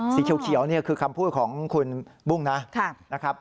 สีเขียวคือคำพูดของคุณบุ้งนะ